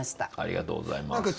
ありがとうございます。